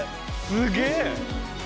すげえ！